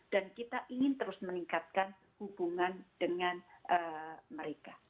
dan kita ingin terus meningkatkan hubungan dengan mereka